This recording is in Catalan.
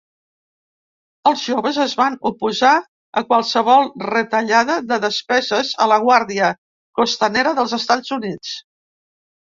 Els joves es van oposar a qualsevol retallada de despeses a la Guàrdia Costanera dels Estats Units.